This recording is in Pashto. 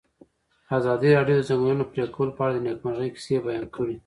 ازادي راډیو د د ځنګلونو پرېکول په اړه د نېکمرغۍ کیسې بیان کړې.